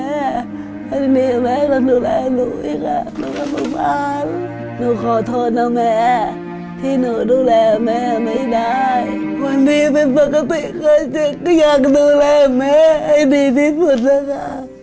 วันดีเป็นปกติเคยเจ็บก็อยากดูแลแม่ให้ดีที่สุดนะคะ